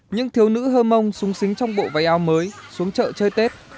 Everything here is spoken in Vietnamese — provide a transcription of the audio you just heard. những thiếu nữ hơ mông súng xính trong bộ váy áo mới xuống chợ chơi tết